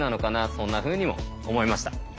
そんなふうにも思いました。